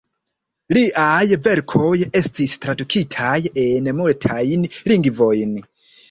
Liaj verkoj estis tradukitaj en multajn lingvojn.